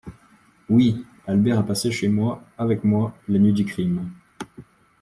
Oui ! Albert a passé chez moi, avec moi, la nuit du crime.